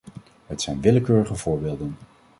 Het zijn willekeurige voorbeelden.